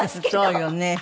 そうよね。